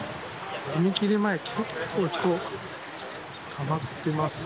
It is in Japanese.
踏切前、結構人、たまってます。